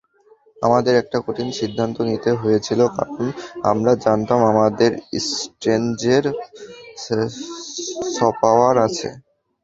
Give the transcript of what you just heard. আমাদের একটা কঠিন সিদ্ধান্ত নিতে হয়েছিল কারণ আমরা জানতাম আমাদের স্ট্রেঞ্জের সপাওয়ার আছে।